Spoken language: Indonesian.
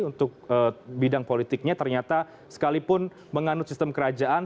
untuk bidang politiknya ternyata sekalipun menganut sistem kerajaan